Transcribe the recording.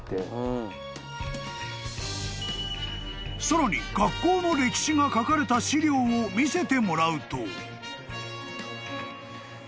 ［さらに学校の歴史が書かれた資料を見せてもらうと］